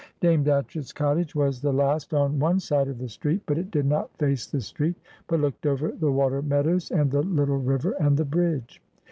Dame Datchett's cottage was the last on one side of the street; but it did not face the street, but looked over the water meadows, and the little river, and the bridge.